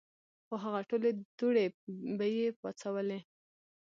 خو هغه ټولې دوړې به ئې پاڅولې ـ